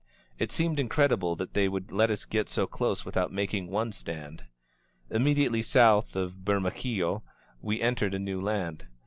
It seemed incredible that they would let us get so close without making one stand. Imme diately south of Bermejillo we entered a new land.